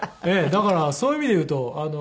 だからそういう意味でいうと。